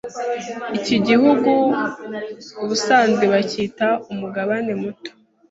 Iki gihugu ubusanzwe bacyita “umugabane muto